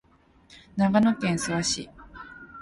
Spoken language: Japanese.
長野県諏訪市